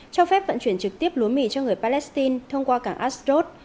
cho phép vận chuyển trực tiếp lúa mì cho người palestine thông qua cảng ashdod